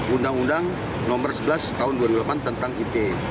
undang undang nomor sebelas tahun dua ribu delapan tentang it